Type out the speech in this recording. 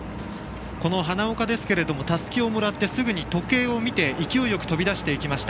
花岡ですけれどもたすきをもらってすぐに時計を見て、勢いよく飛び出していきました。